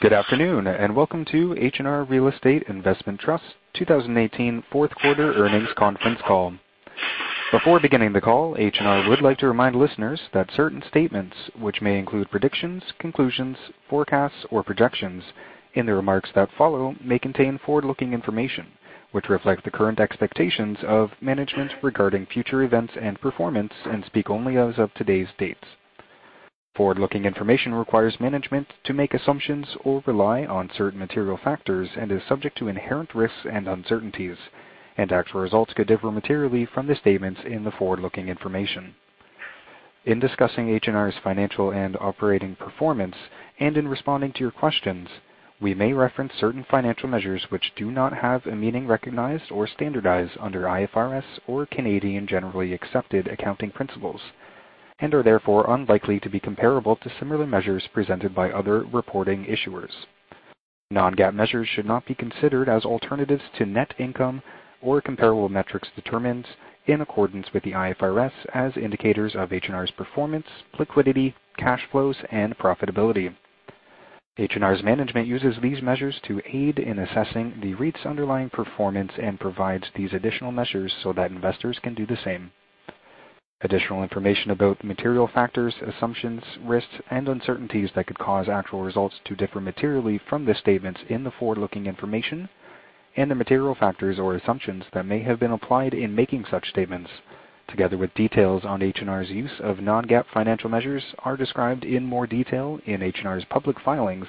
Good afternoon, welcome to H&R Real Estate Investment Trust 2018 fourth quarter earnings conference call. Before beginning the call, H&R would like to remind listeners that certain statements, which may include predictions, conclusions, forecasts, or projections in the remarks that follow, may contain forward-looking information which reflect the current expectations of management regarding future events and performance, and speak only as of today's dates. Forward-looking information requires management to make assumptions or rely on certain material factors and is subject to inherent risks and uncertainties. Actual results could differ materially from the statements in the forward-looking information. In discussing H&R's financial and operating performance, in responding to your questions, we may reference certain financial measures which do not have a meaning recognized or standardized under IFRS or Canadian Generally Accepted Accounting Principles, and are therefore unlikely to be comparable to similar measures presented by other reporting issuers. Non-GAAP measures should not be considered as alternatives to net income or comparable metrics determined in accordance with the IFRS as indicators of H&R's performance, liquidity, cash flows, and profitability. H&R's management uses these measures to aid in assessing the REIT's underlying performance and provides these additional measures so that investors can do the same. Additional information about the material factors, assumptions, risks, and uncertainties that could cause actual results to differ materially from the statements in the forward-looking information and the material factors or assumptions that may have been applied in making such statements, together with details on H&R's use of non-GAAP financial measures, are described in more detail in H&R's public filings,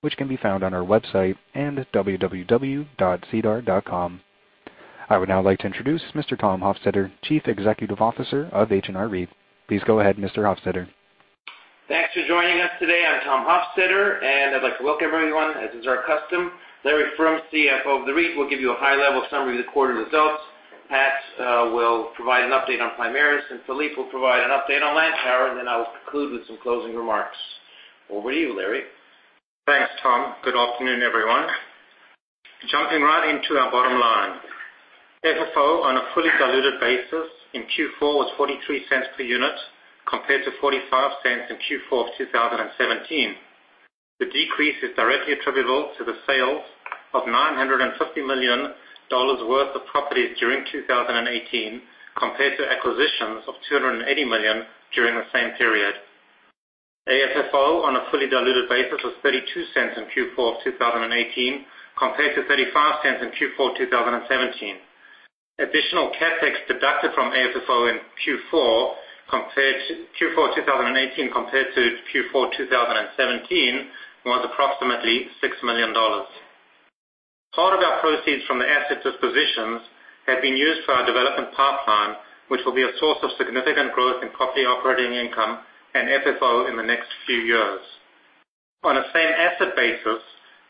which can be found on our website and www.sedar.com. I would now like to introduce Mr. Tom Hofstedter, Chief Executive Officer of H&R REIT. Please go ahead, Mr. Hofstedter. Thanks for joining us today. I'm Tom Hofstedter. I'd like to welcome everyone, as is our custom. Larry Froom, CFO of the REIT, will give you a high-level summary of the quarter results. Pat will provide an update on Primaris. Philippe will provide an update on Lantower. I will conclude with some closing remarks. Over to you, Larry. Thanks, Tom. Good afternoon, everyone. Jumping right into our bottom line. FFO on a fully diluted basis in Q4 was 0.43 per unit, compared to 0.45 in Q4 of 2017. The decrease is directly attributable to the sales of 950 million dollars worth of properties during 2018, compared to acquisitions of 280 million during the same period. AFFO on a fully diluted basis was 0.32 in Q4 of 2018, compared to 0.35 in Q4 2017. Additional CapEx deducted from AFFO in Q4 2018 compared to Q4 2017, was approximately 6 million dollars. Part of our proceeds from the asset dispositions have been used for our development pipeline, which will be a source of significant growth in property operating income and FFO in the next few years. On a same asset basis,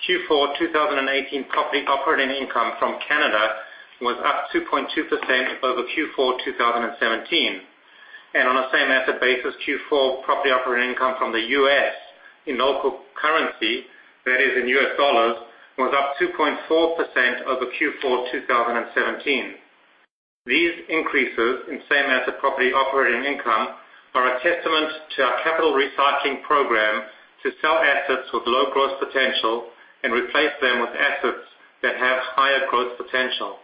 Q4 2018 property operating income from Canada was up 2.2% over Q4 2017. On a same asset basis, Q4 property operating income from the U.S. in local currency, that is in USD, was up 2.4% over Q4 2017. These increases in same asset property operating income are a testament to our capital recycling program to sell assets with low growth potential and replace them with assets that have higher growth potential.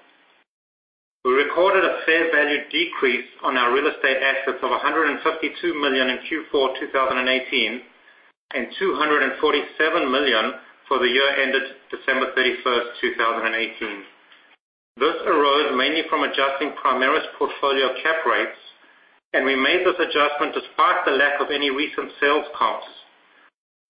We recorded a fair value decrease on our real estate assets of 152 million in Q4 2018 and 247 million for the year ended December 31st, 2018. This arose mainly from adjusting Primaris portfolio cap rates. We made this adjustment despite the lack of any recent sales comps.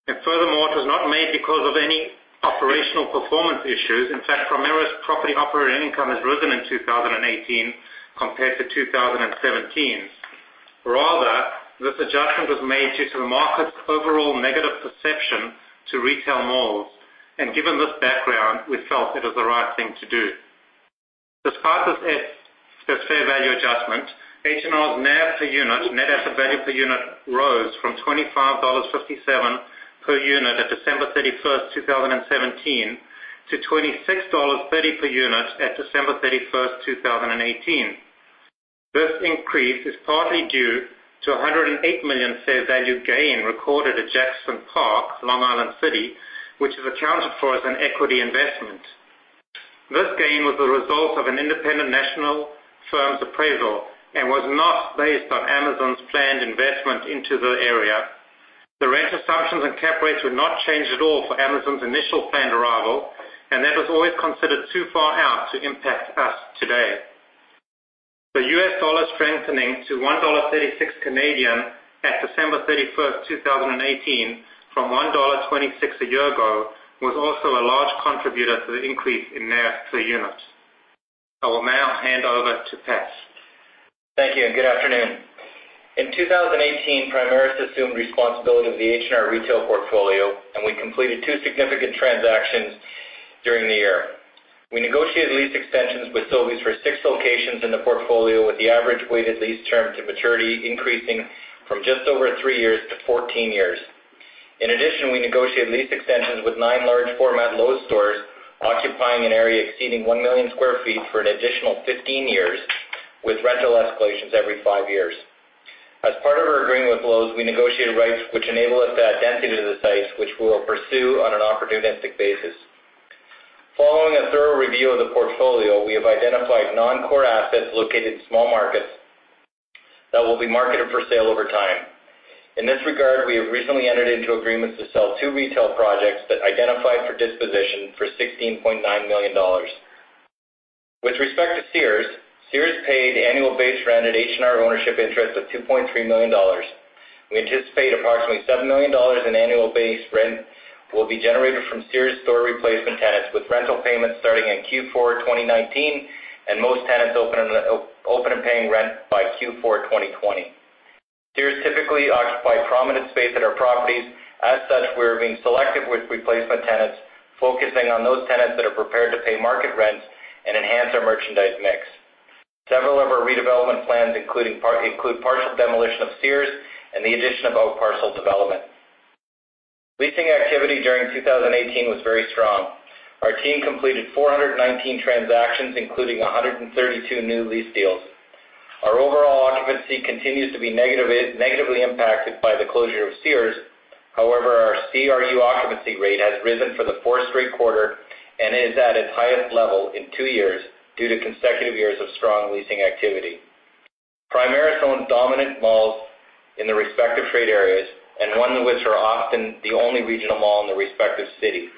Furthermore, it was not made because of any operational performance issues. In fact, Primaris property operating income has risen in 2018 compared to 2017. Rather, this adjustment was made due to the market's overall negative perception to retail malls. Given this background, we felt it was the right thing to do. Despite this fair value adjustment, H&R's NAV per unit, net asset value per unit, rose from CAD 25.57 per unit at December 31st, 2017, to CAD 26.30 per unit at December 31st, 2018. This increase is partly due to 108 million fair value gain recorded at Jackson Park, Long Island City, which is accounted for as an equity investment. This gain was the result of an independent national firm's appraisal and was not based on Amazon's planned investment into the area. The rent assumptions and cap rates were not changed at all for Amazon's initial planned arrival. That was always considered too far out to impact us today. The U.S. dollar strengthening to 1.36 Canadian dollars at December 31st, 2018, from 1.26 dollar a year ago, was also a large contributor to the increase in NAV per unit. I will now hand over to Pat. Thank you. Good afternoon. In 2018, Primaris assumed responsibility of the H&R retail portfolio. We completed two significant transactions during the year. We negotiated lease extensions with Sobeys for six locations in the portfolio, with the average weighted lease term to maturity increasing from just over three years to 14 years. In addition, we negotiated lease extensions with nine large format Lowe's stores occupying an area exceeding 1 million sq ft for an additional 15 years, with rental escalations every five years. As part of our agreement with Lowe's, we negotiated rights which enable us to add density to the sites, which we will pursue on an opportunistic basis. Following a thorough review of the portfolio, we have identified non-core assets located in small markets that will be marketed for sale over time. In this regard, we have recently entered into agreements to sell two retail projects that identified for disposition for 16.9 million dollars. With respect to Sears paid annual base rent at H&R ownership interest of 2.3 million dollars. We anticipate approximately 7 million dollars in annual base rent will be generated from Sears store replacement tenants, with rental payments starting in Q4 2019, and most tenants open and paying rent by Q4 2020. Sears typically occupy prominent space at our properties. As such, we're being selective with replacement tenants, focusing on those tenants that are prepared to pay market rents and enhance our merchandise mix. Several of our redevelopment plans include partial demolition of Sears and the addition of out parcel development. Leasing activity during 2018 was very strong. Our team completed 419 transactions, including 132 new lease deals. Our overall occupancy continues to be negatively impacted by the closure of Sears. However, our CRU occupancy rate has risen for the fourth straight quarter and is at its highest level in two years due to consecutive years of strong leasing activity. Primaris owns dominant malls in their respective trade areas, and one which are often the only regional mall in their respective city.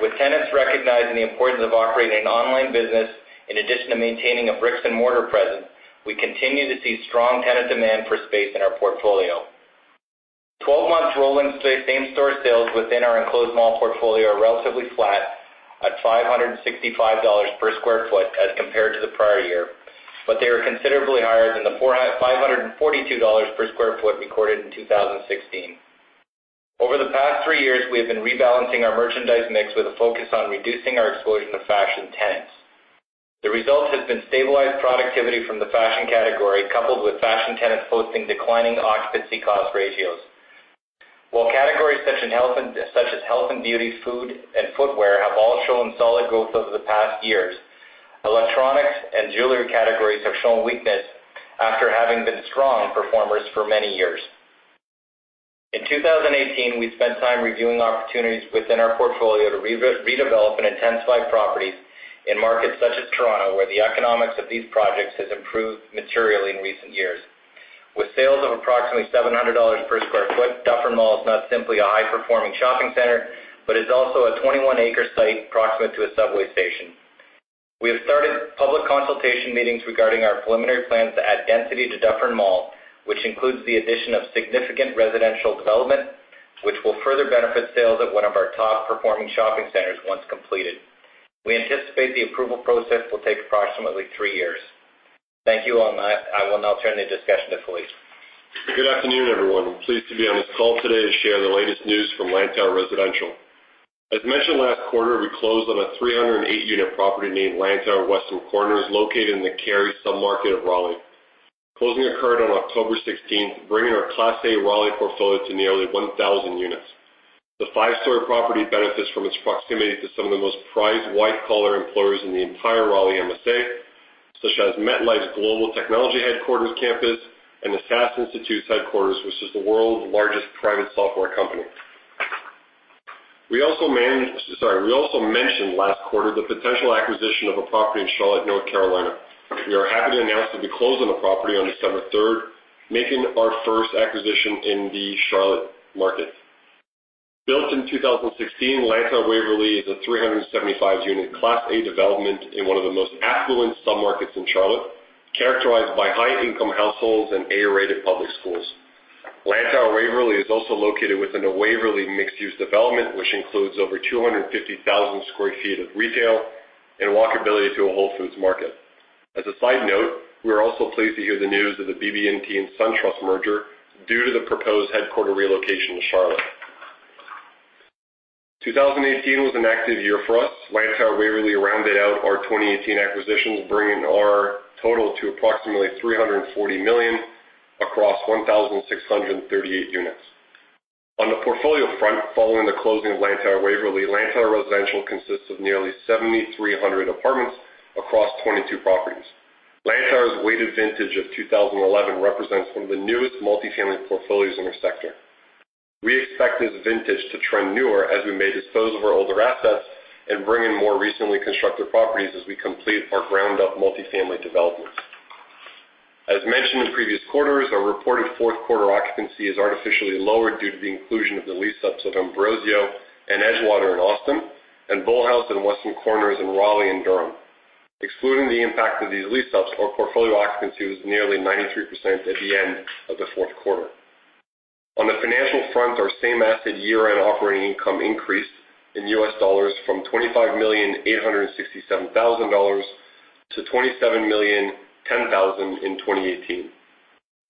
With tenants recognizing the importance of operating an online business in addition to maintaining a bricks and mortar presence, we continue to see strong tenant demand for space in our portfolio. 12 months rolling same-store sales within our enclosed mall portfolio are relatively flat at 565 dollars per sq ft as compared to the prior year. They are considerably higher than the 542 dollars per sq ft recorded in 2016. Over the past three years, we have been rebalancing our merchandise mix with a focus on reducing our exposure to fashion tenants. The result has been stabilized productivity from the fashion category, coupled with fashion tenants posting declining occupancy cost ratios. While categories such as health and beauty, food, and footwear have all shown solid growth over the past years, electronics and jewelry categories have shown weakness after having been strong performers for many years. In 2018, we spent time reviewing opportunities within our portfolio to redevelop and intensify properties in markets such as Toronto, where the economics of these projects has improved materially in recent years. With sales of approximately 700 dollars per sq ft, Dufferin Mall is not simply a high-performing shopping center, but is also a 21-acre site proximate to a subway station. We have started public consultation meetings regarding our preliminary plans to add density to Dufferin Mall, which includes the addition of significant residential development, which will further benefit sales at one of our top-performing shopping centers once completed. We anticipate the approval process will take approximately three years. Thank you. I will now turn the discussion to Philippe. Good afternoon, everyone. Pleased to be on this call today to share the latest news from Lantower Residential. As mentioned last quarter, we closed on a 308-unit property named Lantower Weston Corners, located in the Cary submarket of Raleigh. Closing occurred on October 16th, bringing our Class A Raleigh portfolio to nearly 1,000 units. The five-story property benefits from its proximity to some of the most prized white-collar employers in the entire Raleigh MSA, such as MetLife's global technology headquarters campus and the SAS Institute's headquarters, which is the world's largest private software company. We also mentioned last quarter the potential acquisition of a property in Charlotte, North Carolina. We are happy to announce that we closed on the property on December 3rd, making our first acquisition in the Charlotte market. Built in 2016, Lantower Waverly is a 375-unit Class A development in one of the most affluent submarkets in Charlotte, characterized by high-income households and A-rated public schools. Lantower Waverly is also located within the Waverly mixed-use development, which includes over 250,000 square feet of retail and walkability to a Whole Foods Market. As a side note, we are also pleased to hear the news of the BB&T and SunTrust merger due to the proposed headquarter relocation to Charlotte. 2018 was an active year for us. Lantower Waverly rounded out our 2018 acquisitions, bringing our total to approximately 340 million across 1,638 units. On the portfolio front, following the closing of Lantower Waverly, Lantower Residential consists of nearly 7,300 apartments across 22 properties. Lantower's weighted vintage of 2011 represents one of the newest multifamily portfolios in our sector. We expect this vintage to trend newer as we may dispose of our older assets and bring in more recently constructed properties as we complete our ground-up multifamily developments. As mentioned in previous quarters, our reported fourth quarter occupancy is artificially lower due to the inclusion of the lease-ups of Ambrosio and Edgewater in Austin, and Bullhouse and Weston Corners in Raleigh and Durham. Excluding the impact of these lease-ups, our portfolio occupancy was nearly 93% at the end of the fourth quarter. On the financial front, our same asset year-end operating income increased in US dollars from $25,867,000 to $27,010,000 in 2018.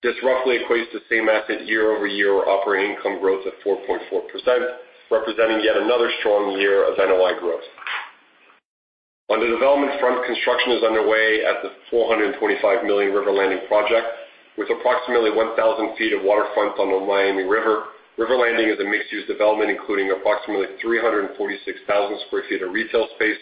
This roughly equates to same asset year-over-year operating income growth of 4.4%, representing yet another strong year of NOI growth. On the development front, construction is underway at the 425 million River Landing project. With approximately 1,000 feet of waterfront on the Miami River Landing is a mixed-use development including approximately 346,000 square feet of retail space.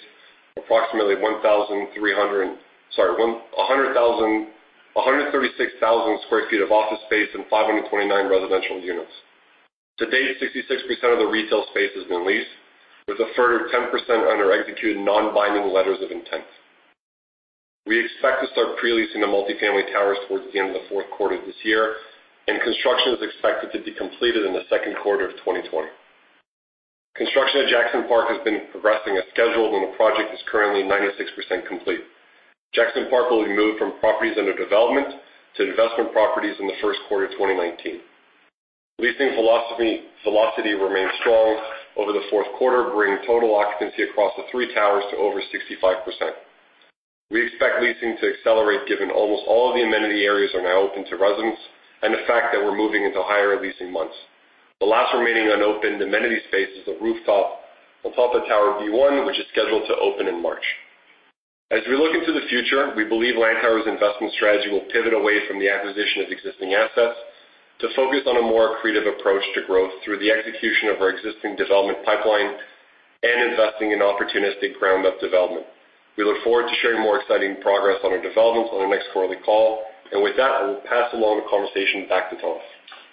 Approximately 136,000 square feet of office space and 529 residential units. To date, 66% of the retail space has been leased, with a further 10% under executed non-binding letters of intent. We expect to start pre-leasing the multifamily towers towards the end of the fourth quarter this year, and construction is expected to be completed in the second quarter of 2020. Construction at Jackson Park has been progressing as scheduled, and the project is currently 96% complete. Jackson Park will be moved from properties under development to investment properties in the first quarter of 2019. Leasing velocity remained strong over the fourth quarter, bringing total occupancy across the three towers to over 65%. We expect leasing to accelerate, given almost all of the amenity areas are now open to residents and the fact that we're moving into higher leasing months. The last remaining unopened amenities space is the rooftop on top of tower B1, which is scheduled to open in March. As we look into the future, we believe Lantower's investment strategy will pivot away from the acquisition of existing assets to focus on a more accretive approach to growth through the execution of our existing development pipeline and investing in opportunistic ground-up development. We look forward to sharing more exciting progress on our developments on our next quarterly call. With that, I will pass along the conversation back to Tom.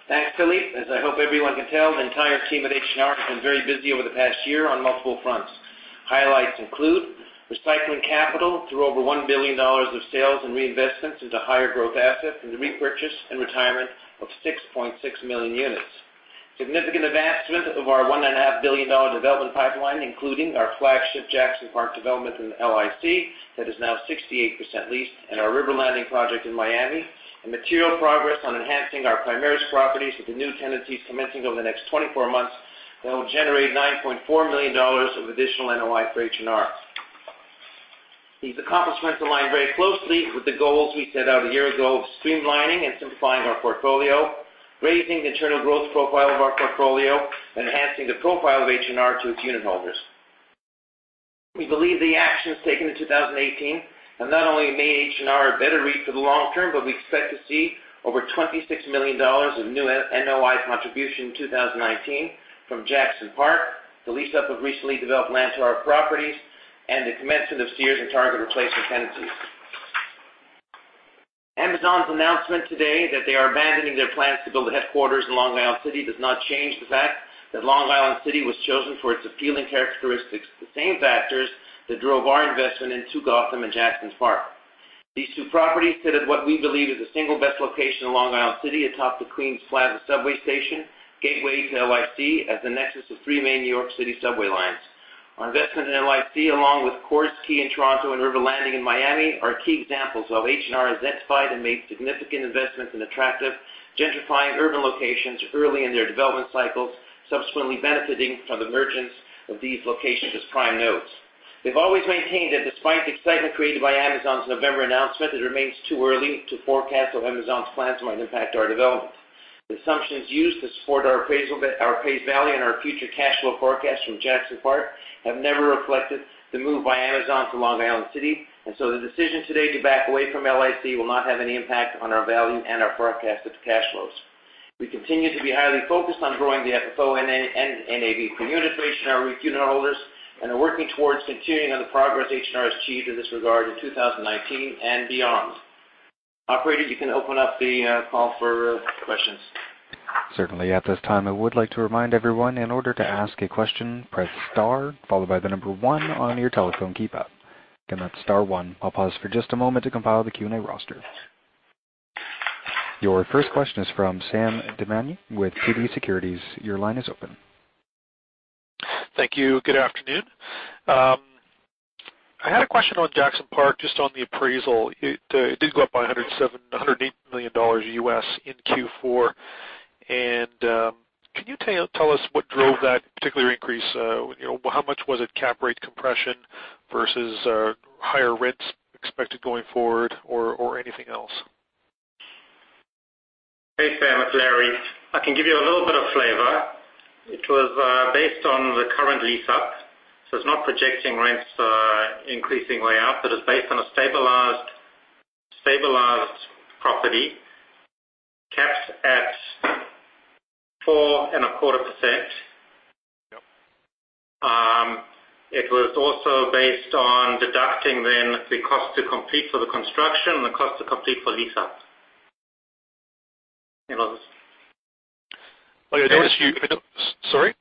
Thanks, Philippe. As I hope everyone can tell, the entire team at H&R has been very busy over the past year on multiple fronts. Highlights include recycling capital through over 1 billion dollars of sales and reinvestments into higher growth assets and the repurchase and retirement of 6.6 million units. Significant advancement of our 1.5 billion dollar development pipeline, including our flagship Jackson Park development in LIC, that is now 68% leased, and our River Landing project in Miami, and material progress on enhancing our Primaris properties with the new tenancies commencing over the next 24 months that will generate 9.4 million dollars of additional NOI for H&R. These accomplishments align very closely with the goals we set out a year ago of streamlining and simplifying our portfolio, raising the internal growth profile of our portfolio, enhancing the profile of H&R to its unit holders. We believe the actions taken in 2018 have not only made H&R a better REIT for the long term, but we expect to see over 26 million dollars of new NOI contribution in 2019 from Jackson Park, the lease-up of recently developed Lantower properties, and the commencement of Sears and Target replacement tenancies. Amazon's announcement today that they are abandoning their plans to build a headquarters in Long Island City does not change the fact that Long Island City was chosen for its appealing characteristics, the same factors that drove our investment in Two Gotham and Jackson Park. These two properties sit at what we believe is the single best location in Long Island City, atop the Queens Plaza subway station, gateway to LIC at the nexus of three main New York City subway lines. Our investment in LIC, along with Quartz Key in Toronto and River Landing in Miami, are key examples of how H&R identified and made significant investments in attractive, gentrifying urban locations early in their development cycles, subsequently benefiting from the emergence of these locations as prime nodes. We've always maintained that despite the excitement created by Amazon's November announcement, it remains too early to forecast how Amazon's plans might impact our development. The assumptions used to support our appraised value and our future cash flow forecast from Jackson Park have never reflected the move by Amazon to Long Island City. So the decision today to back away from LIC will not have any impact on our value and our forecasted cash flows. We continue to be highly focused on growing the FFO and NAV per unit for H&R unit holders, and are working towards continuing on the progress H&R has achieved in this regard in 2019 and beyond. Operator, you can open up the call for questions. Certainly. At this time, I would like to remind everyone, in order to ask a question, press star followed by the number one on your telephone keypad. Again, that's star one. I will pause for just a moment to compile the Q&A roster. Your first question is from Sam Damiani with TD Securities. Your line is open. Thank you. Good afternoon. I had a question on Jackson Park, just on the appraisal. It did go up by $108 million in Q4. Can you tell us what drove that particular increase? How much was it cap rate compression versus higher rents expected going forward, or anything else? Hey, Sam. It's Larry. I can give you a little bit of flavor. It was based on the current lease-up, so it's not projecting rents increasing way up. It is based on a stabilized property capped at 4.25%. Yep. It was also based on deducting then the cost to complete for the construction and the cost to complete for lease-up. Sorry?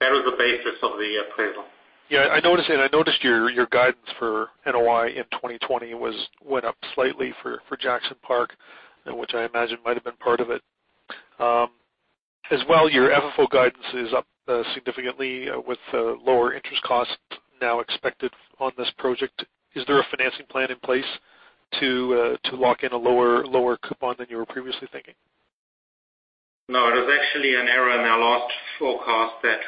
That was the basis of the appraisal. Yeah. I noticed your guidance for NOI in 2020 went up slightly for Jackson Park, which I imagine might have been part of it. As well, your FFO guidance is up significantly with lower interest costs now expected on this project. Is there a financing plan in place to lock in a lower coupon than you were previously thinking? No, it was actually an error in our last forecast that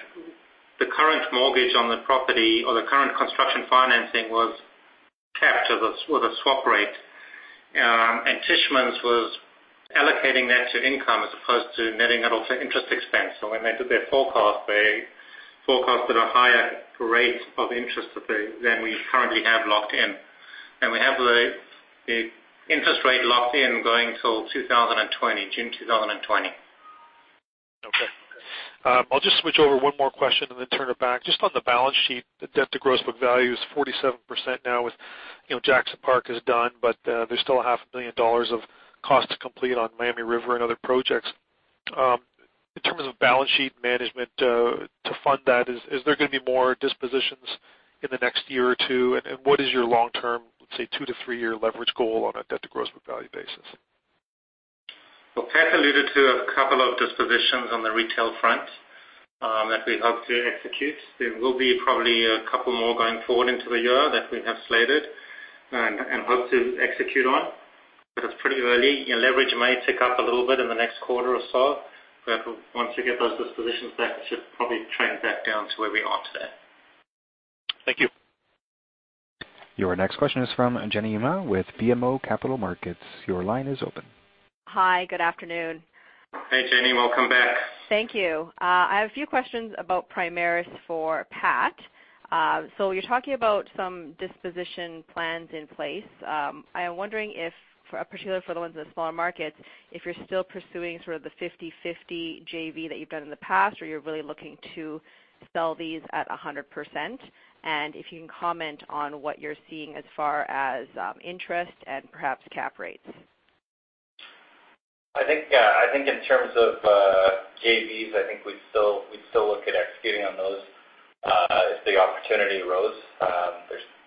the current mortgage on the property, or the current construction financing was capped with a swap rate. Tishman's was allocating that to income as opposed to netting it off to interest expense. When they did their forecast, they forecasted a higher rate of interest than we currently have locked in. We have the interest rate locked in going till June 2020. I'll just switch over one more question and then turn it back. Just on the balance sheet, the debt to gross book value is 47% now with Jackson Park is done, but there's still a half a billion dollars of cost to complete on Miami River and other projects. In terms of balance sheet management to fund that, is there going to be more dispositions in the next year or two? What is your long-term, let's say two to three-year leverage goal on a debt to gross book value basis? Well, Pat alluded to a couple of dispositions on the retail front that we hope to execute. There will be probably a couple more going forward into the year that we have slated and hope to execute on. It's pretty early. Leverage may tick up a little bit in the next quarter or so, but once we get those dispositions, that should probably trend back down to where we are today. Thank you. Your next question is from Jenny Yim with BMO Capital Markets. Your line is open. Hi, good afternoon. Hey, Jenny. Welcome back. Thank you. I have a few questions about Primaris for Pat. You're talking about some disposition plans in place. I'm wondering if, particularly for the ones in the smaller markets, if you're still pursuing sort of the 50/50 JV that you've done in the past, or you're really looking to sell these at 100%. If you can comment on what you're seeing as far as interest and perhaps cap rates. I think in terms of JVs, I think we'd still look at executing on those if the opportunity arose.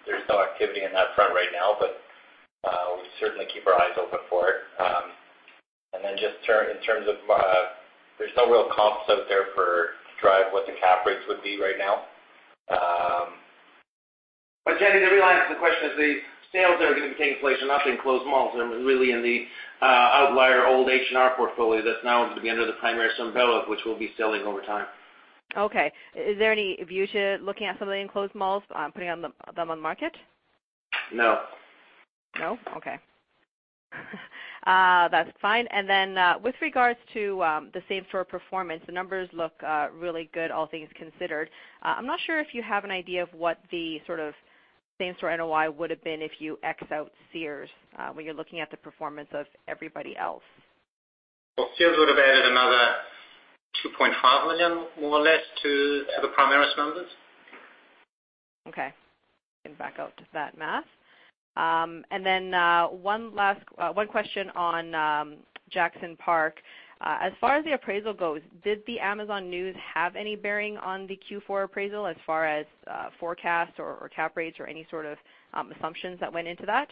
There's no activity in that front right now, but we certainly keep our eyes open for it. There's no real comps out there to drive what the cap rates would be right now. Jenny, the real answer to the question is the sales that are going to take place are not in closed malls. They're really in the outlier old H&R portfolio that's now going to be under the Primaris umbrella, which we'll be selling over time. Okay. Is there any view to looking at some of the enclosed malls, putting them on the market? No. No? Okay. That's fine. With regards to the same-store performance, the numbers look really good, all things considered. I'm not sure if you have an idea of what the sort of same-store NOI would've been if you X out Sears, when you're looking at the performance of everybody else. Well, Sears would've added another 2.5 million, more or less, to the Primaris numbers. Okay. Can back out, do that math. Then, one question on Jackson Park. As far as the appraisal goes, did the Amazon news have any bearing on the Q4 appraisal as far as forecasts or cap rates or any sort of assumptions that went into that?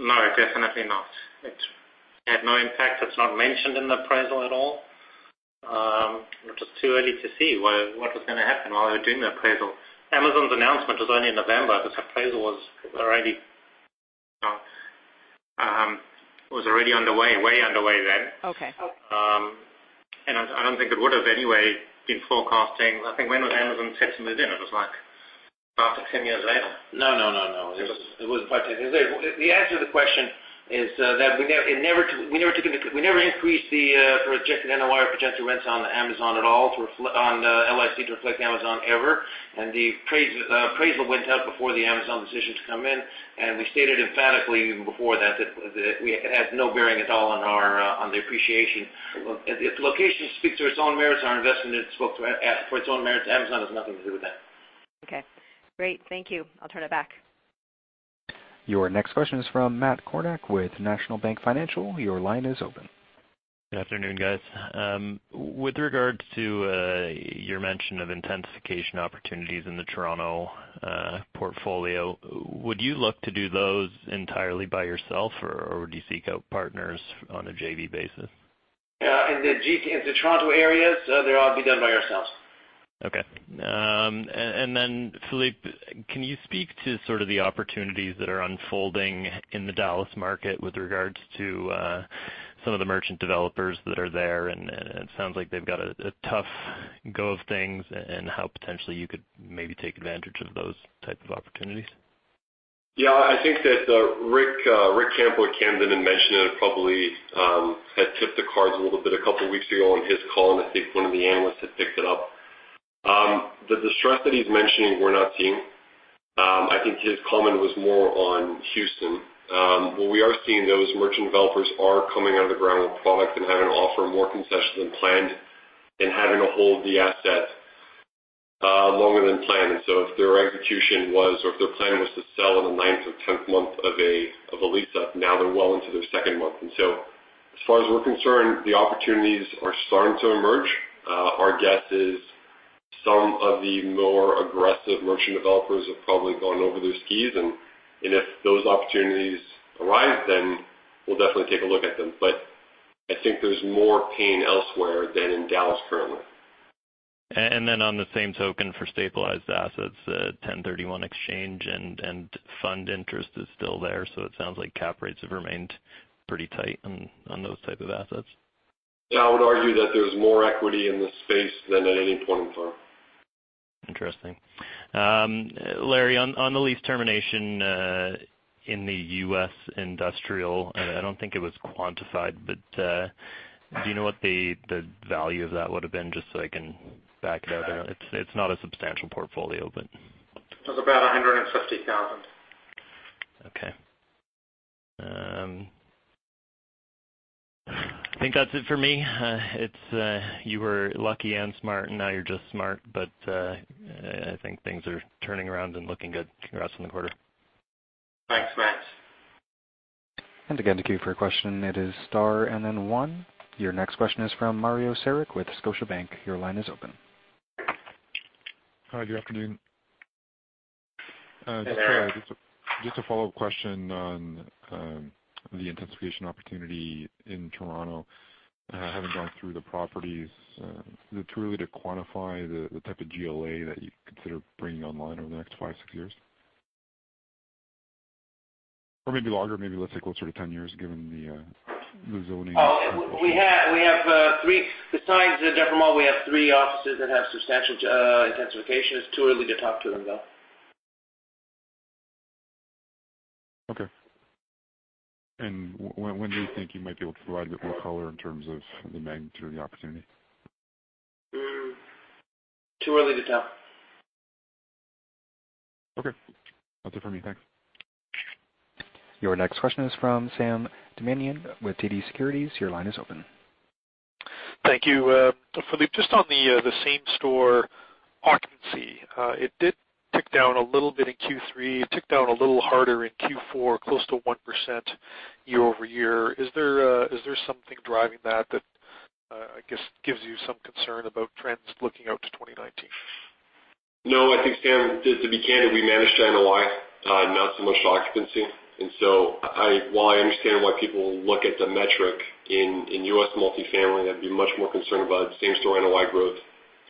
No, definitely not. It had no impact. It's not mentioned in the appraisal at all. It was just too early to see what was going to happen while they were doing the appraisal. Amazon's announcement was only in November. This appraisal was already way underway then. Okay. I don't think it would've anyway been forecasting, when was Amazon set to move in? It was like five to 10 years later. No, no. The answer to the question is that we never increased the projected NOI or projected rents on Amazon at all on LIC to reflect Amazon ever. The appraisal went out before the Amazon decision to come in, and we stated emphatically even before that it had no bearing at all on the appreciation. The location speaks to its own merits. Our investment spoke for its own merits. Amazon has nothing to do with that. Okay. Great. Thank you. I'll turn it back. Your next question is from Matt Kornack with National Bank Financial. Your line is open. Good afternoon, guys. With regard to your mention of intensification opportunities in the Toronto portfolio, would you look to do those entirely by yourself, or would you seek out partners on a JV basis? Yeah. In the Toronto areas, they'll all be done by ourselves. Okay. Philippe, can you speak to sort of the opportunities that are unfolding in the Dallas market with regards to some of the merchant developers that are there, and it sounds like they've got a tough go of things, and how potentially you could maybe take advantage of those type of opportunities? Yeah, I think that Ric Campo with Camden had mentioned it probably, had tipped the cards a little bit a couple of weeks ago on his call, and I think one of the analysts had picked it up. The distress that he's mentioning, we're not seeing. I think his comment was more on Houston. What we are seeing, though, is merchant developers are coming out of the ground with product and having to offer more concessions than planned and having to hold the asset longer than planned. If their execution was, or if their plan was to sell in the ninth or tenth month of a lease-up, now they're well into their second month. As far as we're concerned, the opportunities are starting to emerge. Our guess is some of the more aggressive merchant developers have probably gone over their skis, and if those opportunities arise, then we'll definitely take a look at them. I think there's more pain elsewhere than in Dallas currently. On the same token for stabilized assets, 1031 exchange and fund interest is still there. It sounds like cap rates have remained pretty tight on those type of assets. Yeah, I would argue that there's more equity in this space than at any point in time. Interesting. Larry, on the lease termination in the U.S. industrial, I don't think it was quantified, but do you know what the value of that would've been, just so I can back it out? I know it's not a substantial portfolio. It was about 150,000. Okay. I think that's it for me. You were lucky and smart, and now you're just smart. I think things are turning around and looking good. Congrats on the quarter. Thanks, Matt. Again, to queue for a question, it is star and then one. Your next question is from Mario Saric with Scotiabank. Your line is open. Hi, good afternoon. Hey. Just a follow-up question on the intensification opportunity in Toronto. Having gone through the properties, is it too early to quantify the type of GLA that you consider bringing online over the next five, six years? Or maybe longer, maybe let's take closer to 10 years given the zoning. Besides the Dufferin Mall, we have three offices that have substantial intensification. It's too early to talk to them, though. Okay. When do you think you might be able to provide a bit more color in terms of the magnitude of the opportunity? Too early to tell. Okay. That's it for me. Thanks. Your next question is from Sam Damiani with TD Securities. Your line is open. Thank you. Philippe, just on the same store occupancy. It did tick down a little bit in Q3, tick down a little harder in Q4, close to 1% year-over-year. Is there something driving that that gives you some concern about trends looking out to 2019? No. I think, Sam, to be candid, we managed NOI, not so much occupancy. While I understand why people look at the metric in U.S. multifamily, I would be much more concerned about same-store NOI growth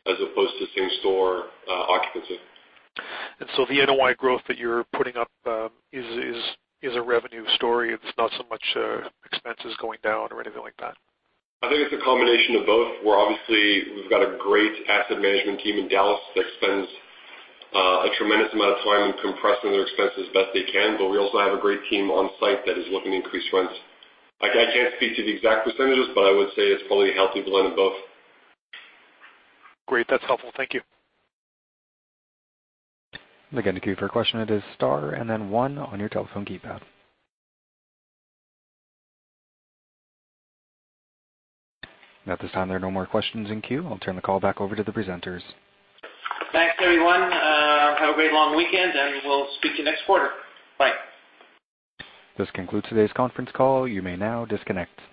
as opposed to same-store occupancy. The NOI growth that you are putting up is a revenue story. It is not so much expenses going down or anything like that. I think it's a combination of both. Obviously, we've got a great asset management team in Dallas that spends a tremendous amount of time compressing their expenses best they can. We also have a great team on site that is looking to increase rents. I can't speak to the exact percentages, but I would say it's probably a healthy blend of both. Great. That's helpful. Thank you. Again, to queue for a question, it is star and then one on your telephone keypad. At this time, there are no more questions in queue. I'll turn the call back over to the presenters. Thanks, everyone. Have a great long weekend, we'll speak to you next quarter. Bye. This concludes today's conference call. You may now disconnect.